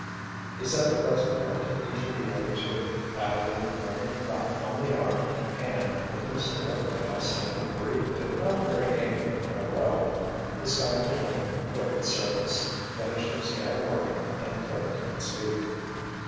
He said a pleasant word to each of the other two, added a friendly clap on the arm and, with Mr. Everdail saying a brief, if not very angry farewell, the Sky Patrol quit its service, finished its air work and took to its feet.